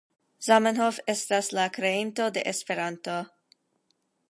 Zamenhof estas la kreinto de Esperanto.